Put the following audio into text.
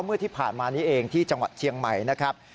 เมื่อที่ผ่านมานี้เองที่จังหวัดเชียงใหม่นะครับ